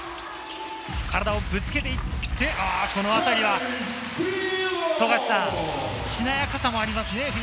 体をぶつけていって、このあたりはしなやかさもありますね。